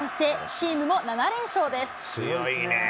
チームも７連勝です。